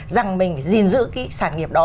rằng mình phải giữ cái sản nghiệp đó